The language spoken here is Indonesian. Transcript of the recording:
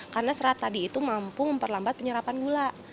karena serat tadi itu mampu memperlambat penyerapan gula